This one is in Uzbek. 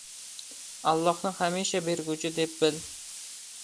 — Allohni hamisha berguvchi, deb bil.